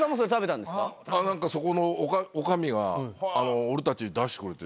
なんかそこの女将が俺たちに出してくれてですね。